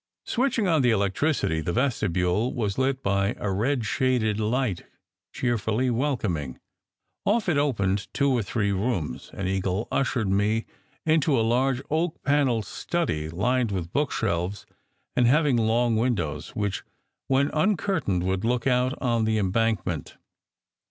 Switching on the electricity, the vestibule was lit by a red shaded light, cheerfully welcoming. Off it opened two or three rooms, and Eagle ushered me into a large oak panelled study, lined with bookshelves and having long windows, which, when uncurtained, would look out on the Embankment.